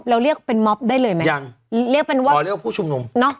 เรียกเป็นม็อบได้เลยไหมยังเรียกเป็นว่าอ๋อเรียกว่าผู้ชุมนุมเนอะ